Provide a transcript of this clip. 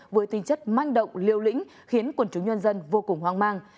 với tinh chất manh động liều lĩnh khiến quần chúng nhân dân vô cùng hoang mang